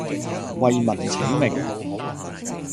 為民請命